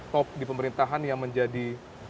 top di pemerintahan yang menjadi